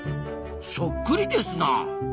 そっくりですな。